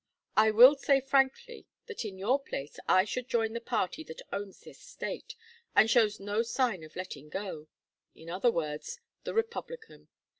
I will say frankly that in your place I should join the party that owns this State and shows no signs of letting go; in other words, the Republican.